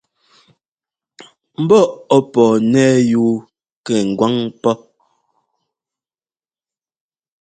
Mbɔ́ ɔ́ pɔɔ nɛ́ yú kɛ ŋgwáŋ pɔ́.